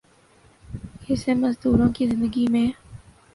یسے مزدوروں کی زندگی میں